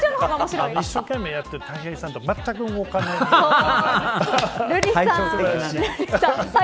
一生懸命やってる武井さんとまったく動かない三浦さん。